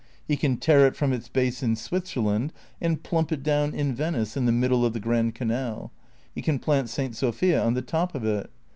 He can tear it from its base in Switzerland and plimip it down in "Venice in the middle of the Grand Canal; he can plant St. Sofia on the top of it.